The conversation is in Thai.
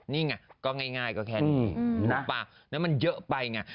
นี่ไงก็ง่ายก็แค่นี้นั่นมันเยอะไปไง